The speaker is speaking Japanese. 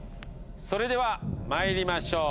それでは参りましょう。